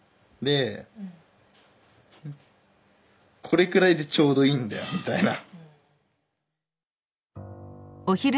これくらいでちょうどいいんだよみたいな。